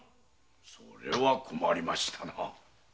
それは困りましたな。